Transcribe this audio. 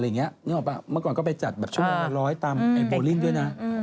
นึกออกปะเมื่อก่อนก็ไปจัดแบบชั่วร้อยต่ำอั็กโบลิ่นด้วยนะ